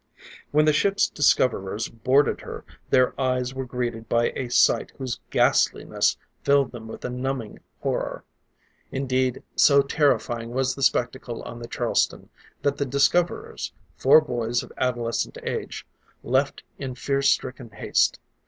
When the ship's discoverers boarded her, their eyes were greeted by a sight whose ghastliness filled them with a numbing horror. Indeed, so terrifying was the spectacle on the Charleston, that the discoverers, four boys of adolescent age, left in fear stricken haste.